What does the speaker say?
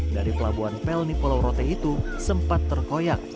dari pelabuhan pelni polorote itu sempat terkoyak